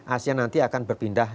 asean nanti akan berpindah